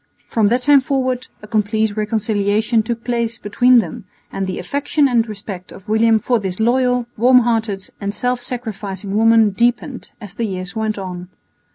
From that time forward a complete reconciliation took place between them, and the affection and respect of William for this loyal, warm hearted and self sacrificing woman deepened as the years went on.